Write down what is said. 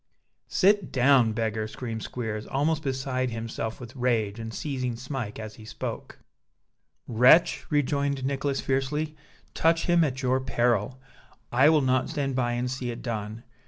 "Sit down, beggar!" screamed Squeers, almost beside himself with rage, and seizing Smike as he spoke. "Wretch," rejoined Nicholas, fiercely, "touch him at your peril! I will not stand by and see it done.